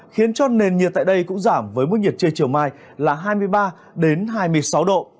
khiến cho nền nhiệt tại đây cũng giảm với mức nhiệt trưa chiều mai là hai mươi ba hai mươi sáu độ